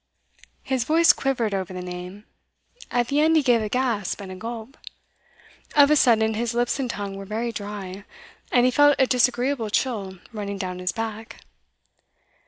His voice quivered over the name; at the end he gave a gasp and a gulp. Of a sudden his lips and tongue were very dry, and he felt a disagreeable chill running down his back.